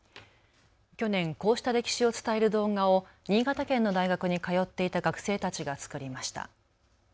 去年、こうした歴史を伝える動画を新潟県の大学に通っていた学生たちが作りました。